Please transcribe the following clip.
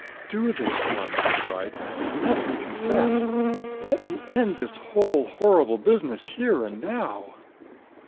"Do this for me!" he cried. "Let me confess! Let me end this whole horrible business here and now."